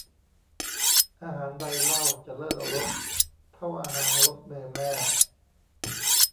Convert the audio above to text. อาหารใดเล่าจะเลิศรสเท่าอาหารรสมือแม่